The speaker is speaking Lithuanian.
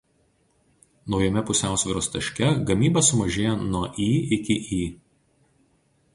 Naujame pusiausvyros taške gamyba sumažėja nuo "Y" iki "Y".